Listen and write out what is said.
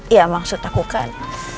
iya maksud aku kan